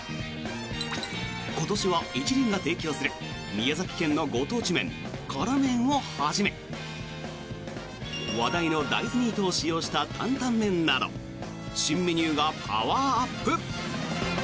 今年は一輪が提供する宮崎県のご当地麺、辛麺をはじめ話題の大豆ミートを使用したタンタンメンなど新メニューがパワーアップ！